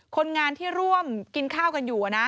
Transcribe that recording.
คนงานที่ร่วมกินข้าวกันอยู่นะ